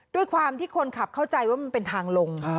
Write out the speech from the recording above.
ด้วยความที่คนขับเข้าใจว่ามันเป็นทางลง